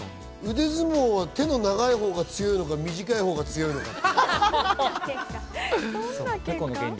手の長いほうが強いのか、短いほうが強いのかで。